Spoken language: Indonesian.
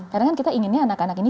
karena kan kita inginnya anak anak ini